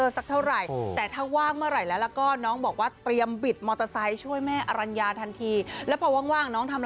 สักเท่าไหร่แต่ถ้าว่างเมื่อไหร่แล้วก็น้องบอกว่าเตรียมบิดมอเตอร์ไซค์ช่วยแม่อรัญญาทันทีแล้วพอว่างน้องทำอะไร